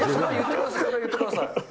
言ってください。